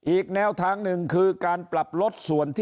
อีกแนวทางหนึ่งคือการปรับลดส่วนที่